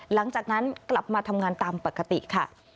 หลังจากนั้นกลับมาทำงานตามปกติค่ะ